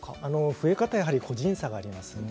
増え方は個人差があります。